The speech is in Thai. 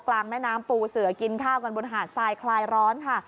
กลางแม่น้ำปูเสือกินข้าวกันบนหาดทรายคลายร้อนค่ะ